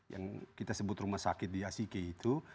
yang kita sebut rumah sakit di yasike itu